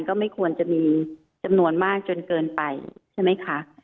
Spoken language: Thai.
ก็ไม่ควรจะมีจำนวนมากจนเกินไปใช่ไหมคะ